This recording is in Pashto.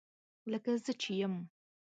لکه زه چې یم